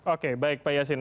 oke baik pak yasin